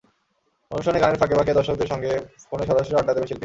অনুষ্ঠানে গানের ফাঁকে ফাঁকে দর্শকদের সঙ্গে ফোনে সরাসরি আড্ডা দেবেন শিল্পী।